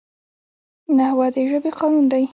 نحوه د ژبي قانون دئ.